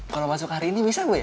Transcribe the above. kalau masuk hari ini bisa nggak ya